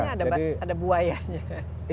katanya ada buaya jadi